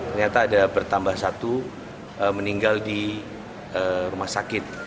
ternyata ada bertambah satu meninggal di rumah sakit